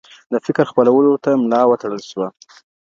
د فکر خپرولو ته ملا وتړل شوه.